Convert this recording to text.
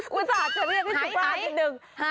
คุณสาธารณ์จะเรียกว่า๑๕เป็นหนึ่ง